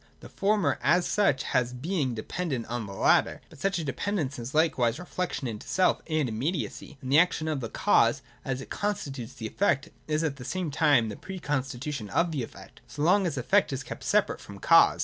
The former as such has a being dependent on the latter. But such a dependence is likewise reflection into self and immediacy : and the action of the cause, as it con stitutes the effect, is at the same the pre constitution of the effect, so long as effect is kept separate from cause.